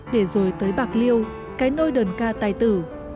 để rồi tới bạc liêu cái nôi đơn ca tài tử